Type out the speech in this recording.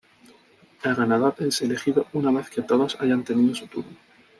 El ganador es elegido una vez que todos hayan tenido su turno.